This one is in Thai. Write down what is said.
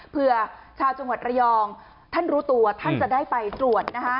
เพื่อชาวจังหวัดระยองท่านรู้ตัวท่านจะได้ไปตรวจนะคะ